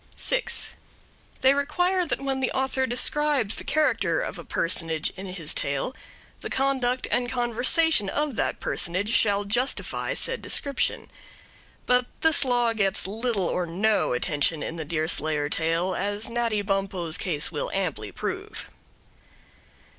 6. They require that when the author describes the character of a personage in his tale, the conduct and conversation of that personage shall justify said description. But this law gets little or no attention in the Deerslayer tale, as Natty Bumppo's case will amply prove.